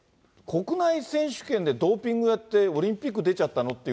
国内選手権でドーピングやって、オリンピック出ちゃったの？